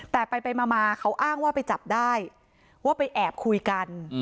แต่ไปมาเขาอ้างว่าไปจับได้ว่าไปแอบคุยกัน